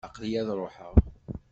Aqli-iyi ad ruḥeɣ.